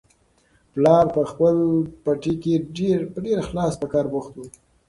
پلار په خپل پټي کې په ډېر اخلاص سره په کار بوخت و.